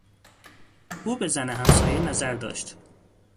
او به زن همسایه نظر داشت.